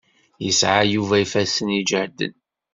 Yesɛa Yuba ifassen iǧehden.